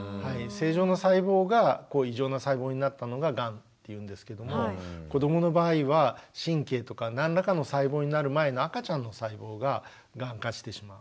正常な細胞が異常な細胞になったのががんっていうんですけども子どもの場合は神経とか何らかの細胞になる前の赤ちゃんの細胞ががん化してしまう。